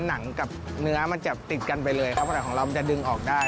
หนังกับเนื้อมันจะติดกันไปเลยครับภาษาของเรามันจะดึงออกได้